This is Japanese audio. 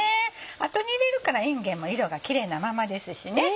後に入れるからいんげんも色がキレイなままですしね。